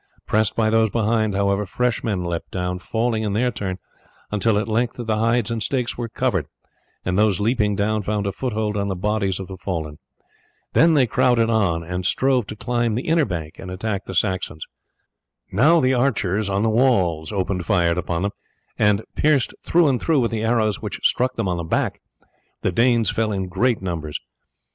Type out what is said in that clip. Pressed by those behind, however, fresh men leapt down, falling in their turn, until at length the hides and stakes were covered, and those leaping down found a foothold on the bodies of the fallen. Then they crowded on and strove to climb the inner bank and attack the Saxons. Now the archers on the walls opened fire upon them, and, pierced through and through with the arrows which struck them on the back, the Danes fell in great numbers.